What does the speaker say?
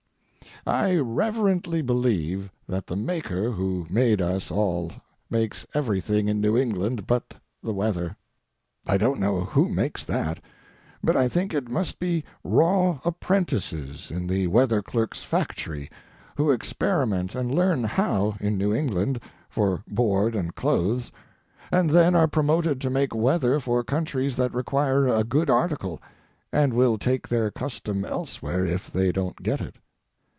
I reverently believe that the Maker who made us all makes everything in New England but the weather. I don't know who makes that, but I think it must be raw apprentices in the weather clerk's factory who experiment and learn how, in New England, for board and clothes, and then are promoted to make weather for countries that require a good article, and will take their custom elsewhere if they don't get it.